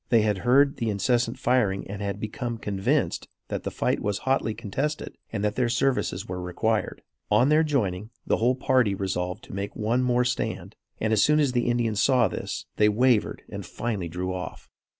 They had heard the incessant firing and had become convinced that the fight was hotly contested and that their services were required. On their joining, the whole party resolved to make one more stand, and as soon as the Indians saw this, they wavered and finally drew off.